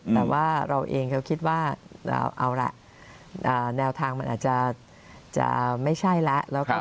แต่ว่าเราเองก็คิดว่าเอาละแนวทางมันอาจจะไม่ใช่แล้ว